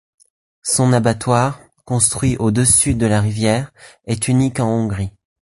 Son abattoir, construit au-dessus de la rivière, est unique en Hongrie.